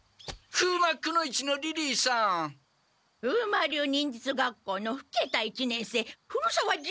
風魔流忍術学校のふけた一年生古沢仁